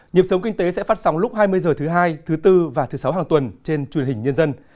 nhiệm sống kinh tế sẽ phát sóng lúc hai mươi h thứ hai thứ bốn và thứ sáu hàng tuần trên truyền hình nhân dân